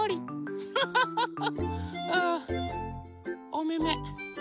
おめめ。